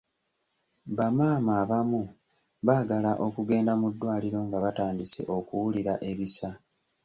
Ba maama abamu baagala okugenda mu ddwaliro nga batandise okuwulira ebisa.